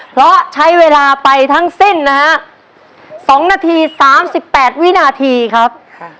เพราะใช้เวลาไปทั้งสิ้นนะฮะสองนาทีสามสิบแปดวินาทีครับ